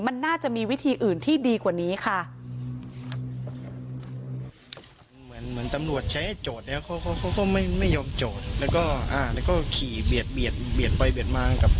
มันน่าจะมีวิธีอื่นที่ดีกว่านี้ค่ะ